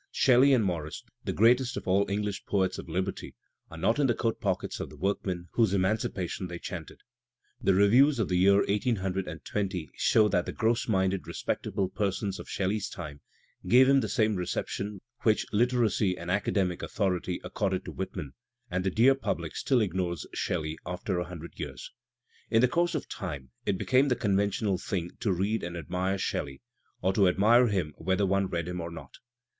Shelley and Morris, the greatest of all English poets of liberty, are not in the coat pockets of the workmen whose emancipation they chanted. The reviews of the year 1820 show that the gross minded respectable persons of Shelley's time gave him the same reception which Literary and Academic Authority accorded to Whitman, and the dear public still ignores Shelley after a hundred years. In the course of time it became the conventional thing to read and admire Shelley, or to admire him whether one read him or not.